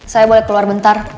saya boleh keluar bentar